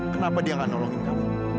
kenapa dia gak nolongin kamu